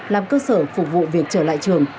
làm cơ sở phục vụ việc trở lại trường